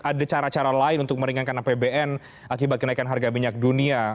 ada cara cara lain untuk meringankan apbn akibat kenaikan harga minyak dunia